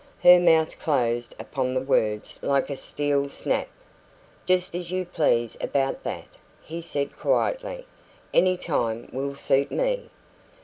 Her mouth closed upon the words like a steel snap. "Just as you please about that," he said quietly. "Any time will suit me."